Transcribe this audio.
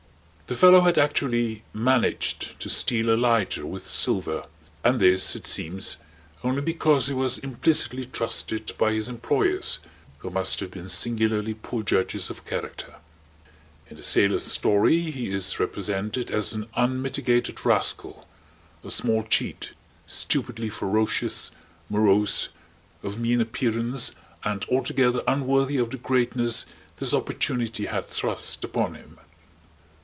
The fellow had actually managed to steal a lighter with silver, and this, it seems, only because he was implicitly trusted by his employers, who must have been singularly poor judges of character. In the sailor's story he is represented as an unmitigated rascal, a small cheat, stupidly ferocious, morose, of mean appearance, and altogether unworthy of the greatness this opportunity had thrust upon him.